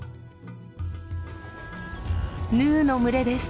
ヌーの群れです。